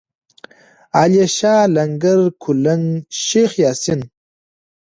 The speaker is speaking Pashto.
علیشه، لنگر، کولک، شیخ یاسین.